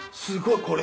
すごい！